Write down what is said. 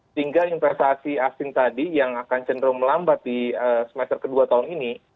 sehingga investasi asli tadi yang akan cenderung melambat di semester ke dua tahun ini